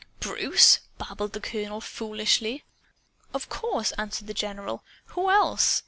"Bruce?" babbled the colonel foolishly. "Of course," answered the general. "Who else?